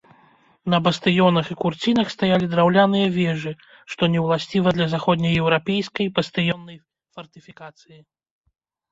На бастыёнах і курцінах стаялі драўляныя вежы, што не ўласціва для заходне-еўрапейскай бастыённай фартыфікацыі.